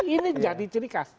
ini jadi ciri khas